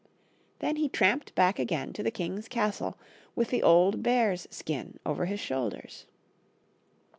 Then he tramped back again to the king's castle with the old bear's skin over his shoulders.